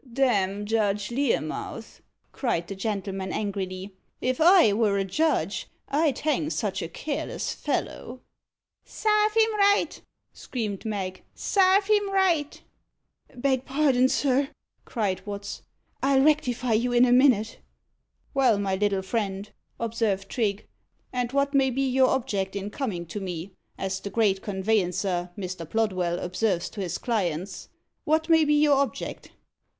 '" "D n Judge Learmouth!" cried the gentleman angrily. "If I were a judge, I'd hang such a careless fellow." "Sarve him right!" screamed Mag "sarve him right!" [Illustration: The Barber of London.] "Beg pardon, sir," cried Watts. "I'll rectify you in a minute." "Well, my little friend," observed Trigge, "and what may be your object in coming to me? as the great conveyancer, Mr. Plodwell, observes to his clients what may be your object?"